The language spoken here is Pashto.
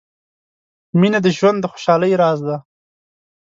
• مینه د ژوند د خوشحالۍ راز دی.